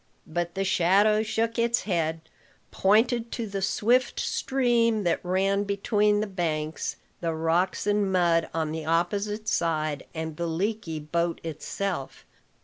But the shadow shook its head; pointed to the swift stream that ran between the banks, the rocks and mud on the opposite side, and the leaky boat itself.